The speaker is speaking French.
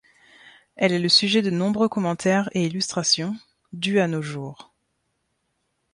Elle est le sujet de nombreux commentaires et illustrations, du à nos jours.